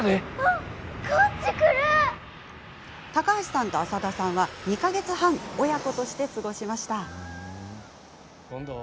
高橋さんと浅田さんは２か月半親子として過ごしました。